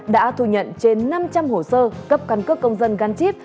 đã thu nhận trên năm trăm linh hồ sơ cấp căn cước công dân gắn chip